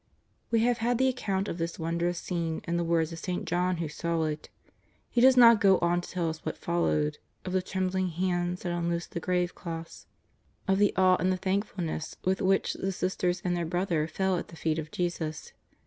We have had the account of this wondrous scene in the words of St. John who saw it. He does not go on to toll us what followed — of the trembling hands that unloosed the graveclothes, of the awe and the thankful ness with which the sisters and their brother fell at the feet of Jesus.